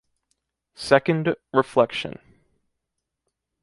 Second reflection.